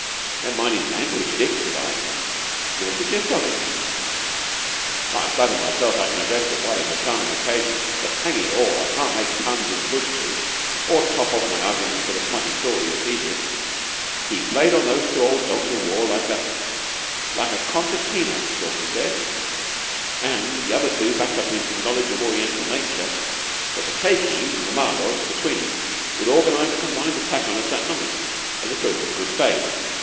"Never mind his language, Dick," said I. "Give us the gist of it." "I flatter myself I can address the wily Pathan on occasion, but, hang it all, I can't make puns in Pushtu, or top off my arguments with a smutty story, as he did. He played on those two old dogs o' war like a like a concertina. Stalky said and the other two backed up his knowledge of Oriental nature that the Khye Kheens and the Malôts between 'em would organize a combined attack on us that night, as a proof of good faith.